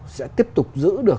sẽ tiếp tục giữ được